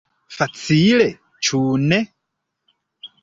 Facile, ĉu ne?